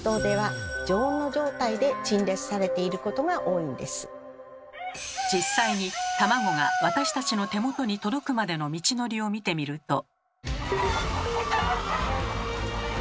そのため実際に卵が私たちの手元に届くまでの道のりを見てみると。